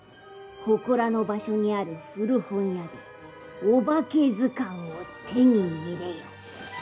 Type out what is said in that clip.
ほこらの場所にある古本屋で「おばけずかん」を手に入れよ。